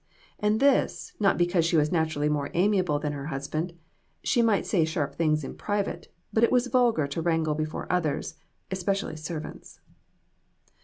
And this, not because she was naturally more amiable than her husband ; she might say sharp things in private, but it was vulgar to wrangle before others, especially ser vants.